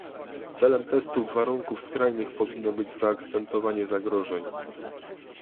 Celem testów warunków skrajnych powinno być zaakcentowanie zagrożeń